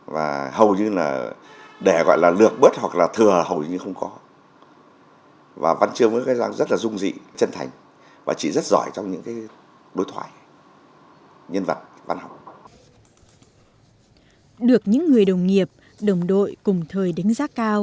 vì chúng tôi đã gặp rất nhiều thanh niên sung phong